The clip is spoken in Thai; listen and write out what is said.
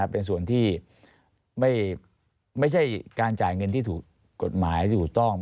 เป็นส่วนที่ไม่ใช่การจ่ายเงินที่ถูกกฎหมายถูกต้อง